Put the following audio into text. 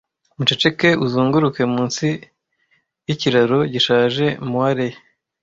muceceke uzunguruke munsi yikiraro gishaje moire ye